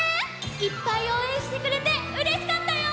いっぱいおうえんしてくれてうれしかったよ！